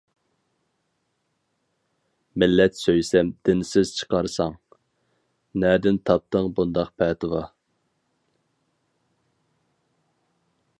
مىللەت سۆيسەم دىنسىز چىقارساڭ، نەدىن تاپتىڭ بۇنداق پەتىۋا.